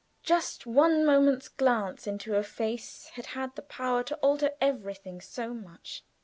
Just one moment's glance into a face had had the power to alter everything so much.